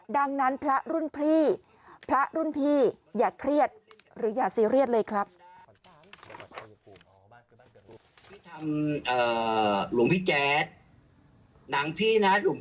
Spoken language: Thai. ดังนั้นพระรุ่นพี่พระรุ่นพี่